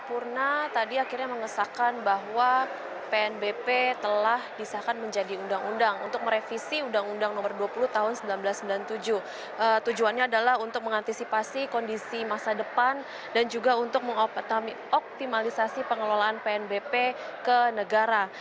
untuk mengoptimalkan penerimaan negara